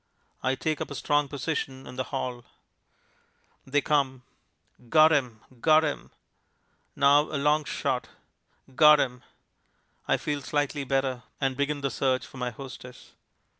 I take up a strong position in the hall. They come... Got him got him! Now a long shot got him! I feel slightly better, and begin the search for my hostess....